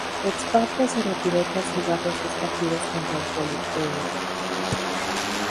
El Sparta se retiró tras jugar los dos partidos contra el Politehnica